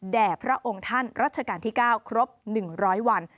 พระองค์ท่านรัชกาลที่๙ครบ๑๐๐วัน